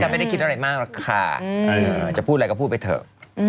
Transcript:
ไม่ได้คิดอะไรมากหรอกค่ะจะพูดอะไรก็พูดไปเถอะ